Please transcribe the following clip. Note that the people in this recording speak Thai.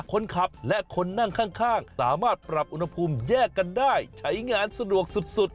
คนขับและคนนั่งข้างสามารถปรับอุณหภูมิแยกกันได้ใช้งานสะดวกสุด